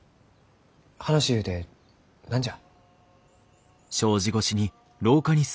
話ゆうて何じゃ？